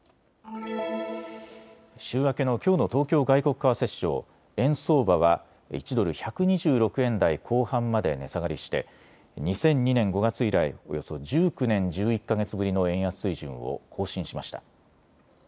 週明けのきょうの東京外国為替市場、円相場は１ドル１２６円台後半まで値下がりして２００２年５月以来、およそ１９年１１か月ぶりの円安水準を更新しました。